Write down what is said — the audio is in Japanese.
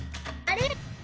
あれ！